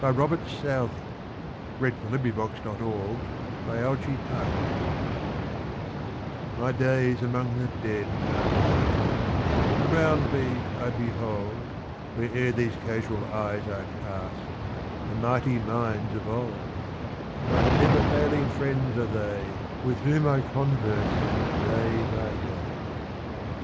Robert Southey My Days Among the Dead Are Past MY days among the Dead are past; Around me I behold, Where'er these casual eyes are cast, The mighty minds of old; My never failing friends are they, With whom I converse day by day.